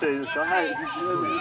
はい。